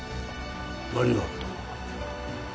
何があった？